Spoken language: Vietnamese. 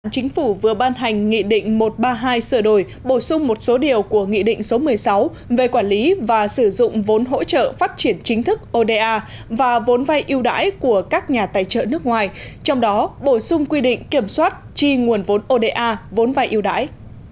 chính phủ vừa ban hành nghị định một trăm ba mươi hai sửa đổi bổ sung một số điều của nghị định số một mươi sáu về quản lý và sử dụng vốn hỗ trợ phát triển chính thức oda và vốn vay yêu đãi của các nhà tài trợ nước ngoài trong đó bổ sung quy định kiểm soát chi nguồn vốn oda vốn vai yêu đãi